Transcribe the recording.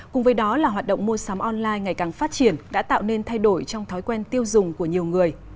cùng với đó là hoạt động mua sắm online ngày càng phát triển đã tạo nên thay đổi trong thói quen tiêu dùng của nhiều người